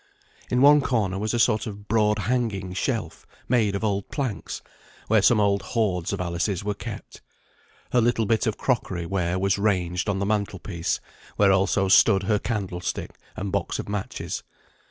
In one corner was a sort of broad hanging shelf, made of old planks, where some old hoards of Alice's were kept. Her little bit of crockery ware was ranged on the mantelpiece, where also stood her candlestick and box of matches.